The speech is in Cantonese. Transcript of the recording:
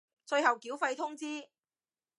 最後繳費通知